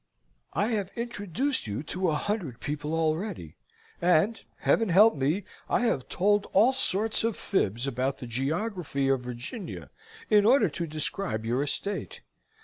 I have introduced you to a hundred people already, and, Heaven help me! have told all sorts of fibs about the geography of Virginia in order to describe your estate.